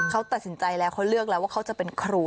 เขาตัดสินใจแล้วเขาเลือกแล้วว่าเขาจะเป็นครู